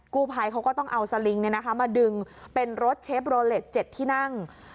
กูภัยเขาก็ต้องเอาสลิงเนี่ยนะคะมาดึงเป็นรถเชฟโรเลส๗ที่นั่ง